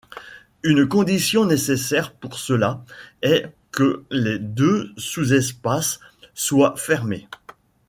Une condition nécessaire pour cela est que les deux sous-espaces soient fermés.